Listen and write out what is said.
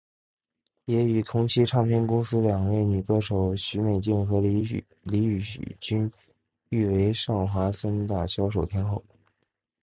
也与同期唱片公司两位女歌手许美静和李翊君誉为上华三大销售天后。